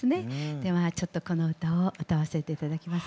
でまあちょっとこの歌を歌わせて頂きます。